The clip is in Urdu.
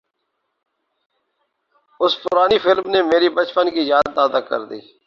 اُس پرانی فلم نے میری بچپن کی یادیں تازہ کردیں